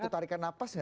satu tarikan nafas nggak